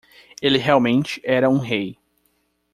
Ele realmente era um rei!